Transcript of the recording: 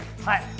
はい！